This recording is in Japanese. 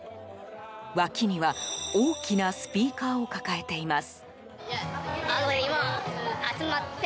脇には、大きなスピーカーを抱えています。